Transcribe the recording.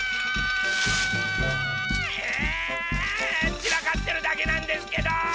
ちらかってるだけなんですけど！